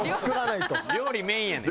料理メインやねん。